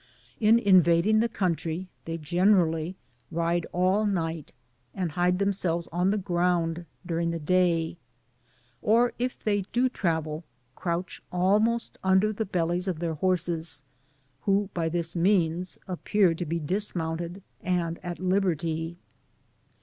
In invading the country, diey generally ride all night, and hide themselves on the ground during, the day ; or, if they do travd, crouch almost under the bellies of th^ir horses, who by this means appear to be dismounted and at liberty.